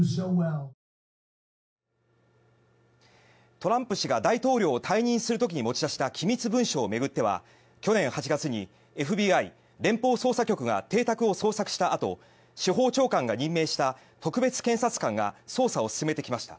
トランプ氏が大統領を退任する時に持ち出した機密文書を巡っては去年８月にＦＢＩ・連邦捜査局が邸宅を捜索したあと司法長官が任命した特別検察官が捜査を進めてきました。